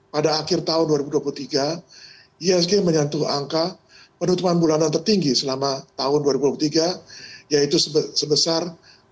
pada akhir tahun dua ribu dua puluh tiga isg menyentuh angka penutupan bulanan tertinggi selama tahun dua ribu dua puluh tiga yaitu sebesar tujuh dua ratus tujuh puluh dua delapan